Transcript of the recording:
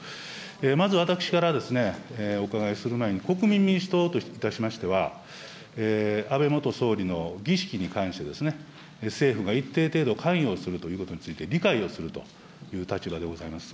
まず、私からお伺いする前に、国民民主党といたしましては、安倍元総理の儀式に関して、政府が一定程度、関与するということについて、理解をするという立場でございます。